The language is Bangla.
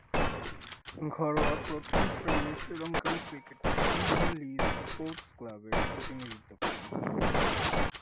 ঘরোয়া প্রথম-শ্রেণীর শ্রীলঙ্কান ক্রিকেটে সিংহলীজ স্পোর্টস ক্লাবের প্রতিনিধিত্ব করেন।